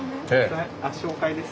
紹介です。